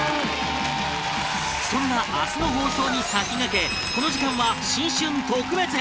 そんな明日の放送に先駆けこの時間は新春特別編